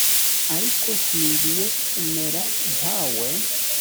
ariko singiye kumera nka we,